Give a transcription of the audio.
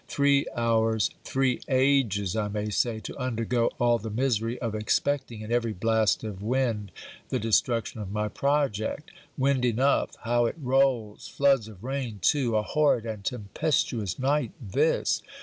Three hours! three ages, I may say, to undergo all the misery of expecting, in every blast of wind, the destruction of my project! Wind enough! how it rolls! Floods of rain too! A horrid and tempestuous night, this!